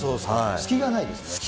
隙がないですね。